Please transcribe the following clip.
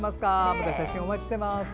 また写真お待ちしております。